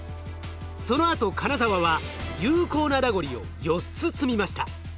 そのあと金沢は有効なラゴリを４つ積みました。